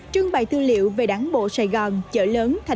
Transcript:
trưng bày tư liệu về đảng bộ sài gòn chợ lớn tp hcm